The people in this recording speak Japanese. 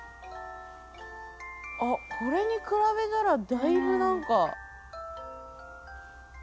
あっこれに比べたらだいぶなんかホントだ。